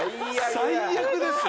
最悪ですよ。